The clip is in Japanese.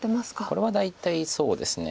これは大体そうですね。